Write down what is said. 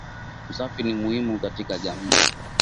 Usafi ni muhimu katika jamii